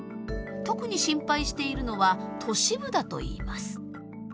特に心配しているのは都市部だといいます。